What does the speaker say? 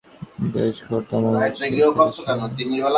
দেশ ঘোর তমো-তে ছেয়ে ফেলেছে।